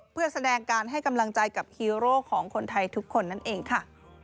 เพื่อแสดงการให้กำลังใจกับฮีโร่ของคนไทยทุกคนนั่นเองค่ะ